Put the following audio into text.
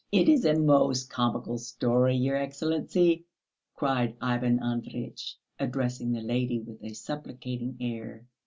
It is a most comical story, your Excellency!" cried Ivan Andreyitch, addressing the lady with a supplicating air.